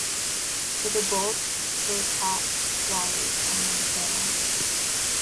To the bolts were attached wires behind the panel.